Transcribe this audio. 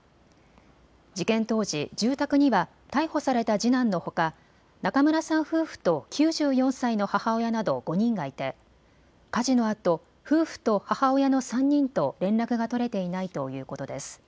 事件当時、住宅には逮捕された次男のほか中村さん夫婦と９４歳の母親など５人がいて火事のあと夫婦と母親の３人と連絡が取れていないということです。